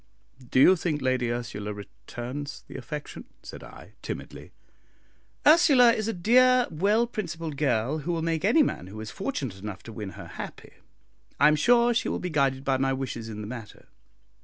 "Do you think Lady Ursula returns the affection?" said I, timidly. "Ursula is a dear, well principled girl, who will make any man who is fortunate enough to win her happy. I am sure she will be guided by my wishes in the matter.